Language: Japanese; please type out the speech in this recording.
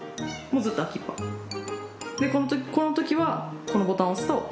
でこのときはこのボタン押すと。